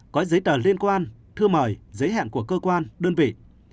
có giấy tờ liên quan thư mời giấy hẹn của cơ quan đơn vị